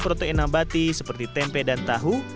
dua puluh lima protein nambati seperti tempe dan tahu